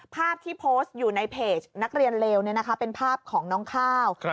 ภาพที่โพสต์อยู่ในเพจนักเรียนเลวเป็นภาพของน้องข้าว